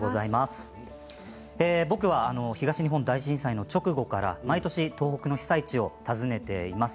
僕は東日本大震災の直後から毎年、東北の被災地を訪ねています。